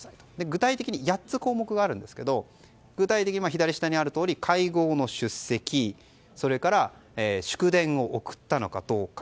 具体的に８つ項目があるんですが左下にあるとおり、会合の出席それから祝電を送ったのかどうか。